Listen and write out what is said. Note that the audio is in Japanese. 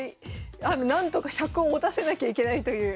なんとか尺をもたせなきゃいけないという。